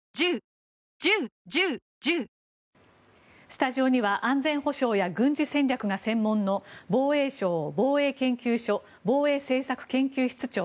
スタジオには安全保障や軍事戦略が専門の防衛省防衛研究所防衛政策研究室長